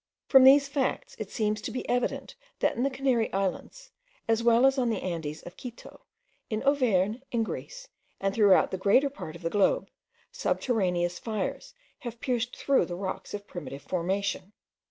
From these facts it seems to be evident that in the Canary Islands, as well as on the Andes of Quito, in Auvergne, in Greece, and throughout the greater part of the globe, subterraneous fires have pierced through the rocks of primitive formation.